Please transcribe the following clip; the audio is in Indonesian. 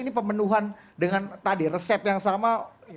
ini pemenuhan dengan tadi resep yang sama